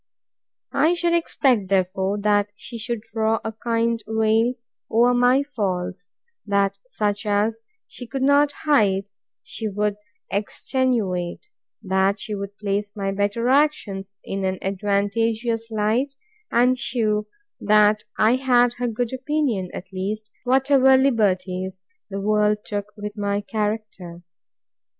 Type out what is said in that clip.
I should expect, therefore, that she should draw a kind veil over my faults; that such as she could not hide, she would extenuate; that she would place my better actions in an advantageous light, and shew that I had her good opinion, at least, whatever liberties the world took with my character.